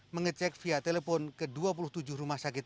mengecek via telepon ke dua puluh tujuh rumah sakit